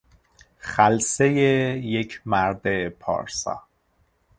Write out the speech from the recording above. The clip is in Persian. خلسهی یک مرد پارسا